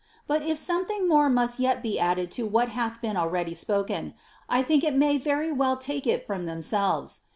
But if something more must yet be added to what hath been already spoken, I think I may very well take it from themselves.